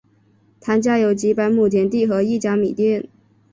谭家有几百亩田地和一家米店。